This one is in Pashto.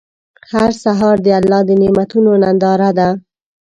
هر سهار د الله د نعمتونو ننداره ده.